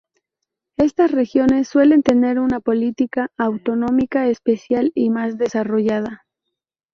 Estas regiones suelen tener una política autonómica especial y más desarrollada.